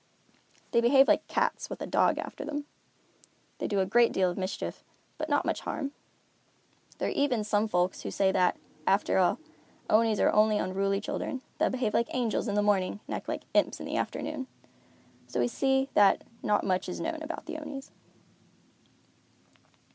They behave like cats, with a dog after them. They do a great deal of mischief, but not much harm. There are even some old folks who say that, after all, Onis are only unruly children, that behave like angels in the morning and act like imps in the afternoon. So we see that not much is known about the Onis.